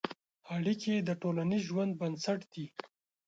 اړیکې د ټولنیز ژوند بنسټ دي.